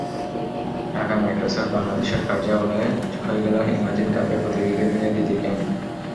ঢাকায় মাইক্রোসফট বাংলাদেশের কার্যালয়ে হয়ে গেল ইমাজিন কাপের প্রতিযোগীদের নিয়ে দ্বিতীয় ক্যাম্প।